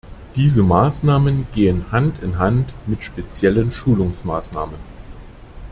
Diese Maßnahmen gehen Hand in Hand mit speziellen Schulungsmaßnahmen.